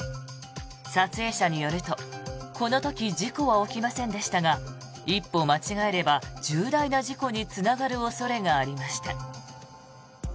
撮影者によるとこの時事故は起きませんでしたが一歩間違えれば重大な事故につながる恐れがありました。